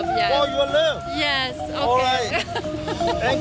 โอเคอย่ามายุ่ง